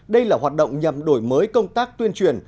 đây là hoạt động nhằm đổi mới công tác tuyên truyền